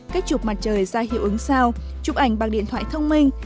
cách chụp mặt trời ra hiệu ứng sao chụp ảnh bằng điện thoại thông minh